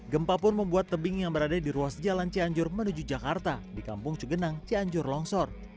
gempa pun membuat tebing yang berada di ruas jalan cianjur menuju jakarta di kampung cugenang cianjur longsor